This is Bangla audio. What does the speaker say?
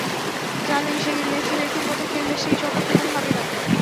জানেন, সেদিন মেসি মেসির মতো খেললে সেই স্বপ্ন পূরণ হবে না।